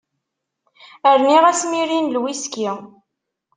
Rniɣ asmiri n lwiski.